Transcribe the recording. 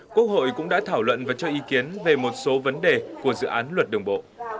quốc hội cũng đã thảo luận và cho ý kiến về một số vấn đề của dự án luật đường bộ